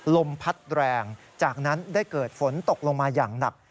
ลมพัดแรงจากนั้นได้เกิดฝนตกลงมาอย่างหนัก